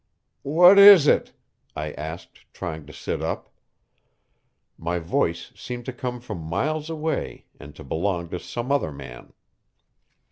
"What is it?" I asked, trying to sit up. My voice seemed to come from miles away, and to belong to some other man.